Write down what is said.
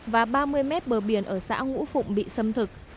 và ba mươi mét bờ biển ở xã ngũ phụng bị xâm thực